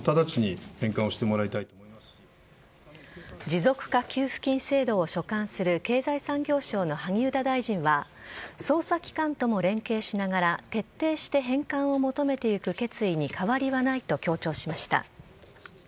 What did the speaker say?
持続化給付金制度を所管する経済産業省の萩生田大臣は捜査機関とも連携しながら徹底して返還を求めていく決意に変わりはないと強調しました。